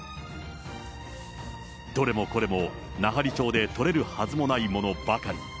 どれもこれも奈半利町で取れるはずもないものばかり。